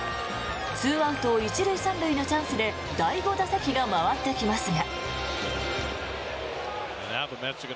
２アウト１塁３塁のチャンスで第５打席が回ってきますが。